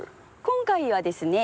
今回はですね